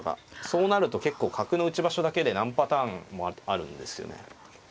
そうなると結構角の打ち場所だけで何パターンもあるんですよね。